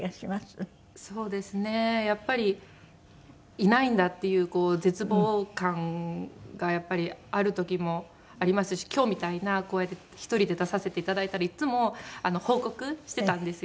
やっぱりいないんだっていうこう絶望感がやっぱりある時もありますし今日みたいなこうやって１人で出させていただいたらいつも報告してたんですよね。